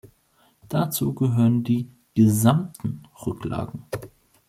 Dazu gehören die gesamten Rücklagen.